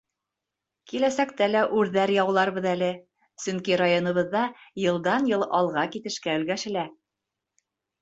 Киләсәктә лә үрҙәр яуларбыҙ әле, сөнки районыбыҙҙа йылдан-йыл алға китешкә өлгәшелә.